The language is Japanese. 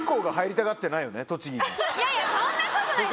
いやいやそんなことない